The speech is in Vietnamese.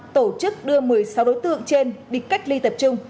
tổ chức đưa một mươi sáu đối tượng trên đi cách ly tập trung